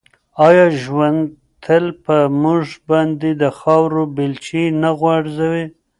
آیا ژوند تل په موږ باندې د خاورو بیلچې نه غورځوي؟